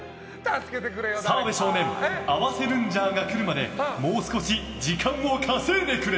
澤部少年合わせルンジャーが来るまでもう少し時間を稼いでくれ！